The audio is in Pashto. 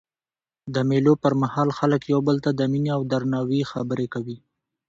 د مېلو پر مهال خلک یو بل ته د میني او درناوي خبري کوي.